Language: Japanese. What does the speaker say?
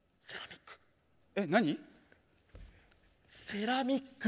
セラミック。